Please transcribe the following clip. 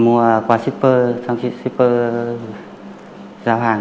mua qua shipper xong shipper giao hàng